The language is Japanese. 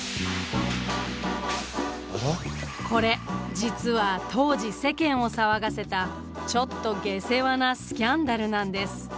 これ実は当時世間を騒がせたちょっと下世話なスキャンダルなんです。